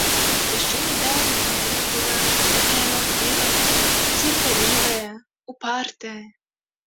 Яшчэ нядаўна яна была такая маўклівая, цярплівая, упартая.